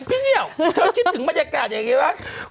พี่เนี่ยเขาจะคิดถึงบรรยากาศกันอย่างไรดังไงวะ